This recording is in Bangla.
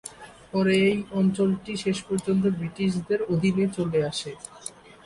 পরে এই অঞ্চলটি শেষ পর্যন্ত ব্রিটিশদের অধীনে চলে আসে।